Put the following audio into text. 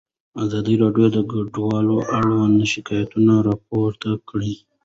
ازادي راډیو د کډوال اړوند شکایتونه راپور کړي.